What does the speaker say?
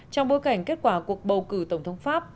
trong bối cảnh kết quả cuộc bầu cử tổng thống pháp